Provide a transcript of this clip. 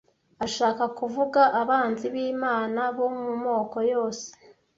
ashaka kuvuga abanzi b’Imana bo mu moko yose